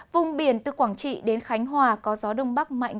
vùng biển từ quảng trị đến khánh hòa có gió đông bắc mạnh